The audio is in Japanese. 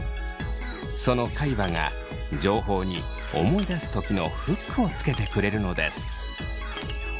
その海馬が情報に思い出す時のフックをつけてくれるのです。